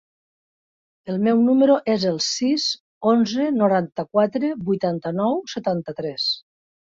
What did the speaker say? El meu número es el sis, onze, noranta-quatre, vuitanta-nou, setanta-tres.